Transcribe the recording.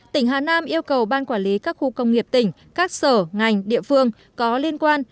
tỉnh hà nam yêu cầu ban quản lý các khu công nghiệp tỉnh các sở ngành địa phương có liên quan